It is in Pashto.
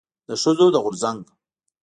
د ښځو د غورځنګ